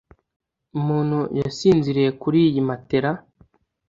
Umuntu yasinziriye kuri iyi matera.